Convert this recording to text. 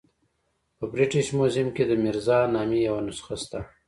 په برټش میوزیم کې د میرزا نامې یوه نسخه شته.